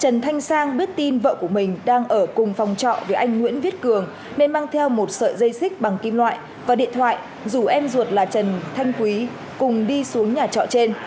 trần thanh sang biết tin vợ của mình đang ở cùng phòng trọ với anh nguyễn viết cường nên mang theo một sợi dây xích bằng kim loại và điện thoại rủ em ruột là trần thanh quý cùng đi xuống nhà trọ trên